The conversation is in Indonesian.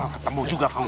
ketemu juga kamu